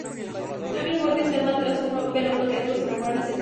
Tony el Gordo y Selma, tras un veloz noviazgo, se enamoran y se casan.